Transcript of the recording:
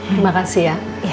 terima kasih ya